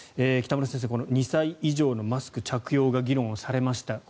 北村先生、この２歳以上のマスク着用が議論されました。